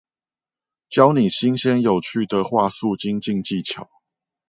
教你新鮮有趣的話術精進技巧